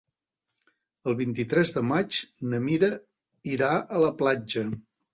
El vint-i-tres de maig na Mira irà a la platja.